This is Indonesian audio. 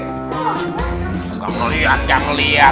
jangan ngeliat jangan ngeliat